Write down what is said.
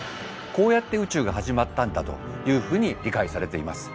こうやって宇宙が始まったんだというふうに理解されています。